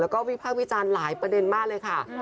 แล้วก็วิพากษ์วิจารณ์หลายประเด็นมากเลยค่ะ